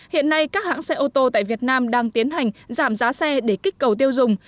hiện nay các hãng xe ô tô tại việt nam đang tiến hành giảm giá xe để kích cầu tiêu dùng